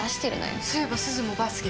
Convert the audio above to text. そういえばすずもバスケ好きだよね？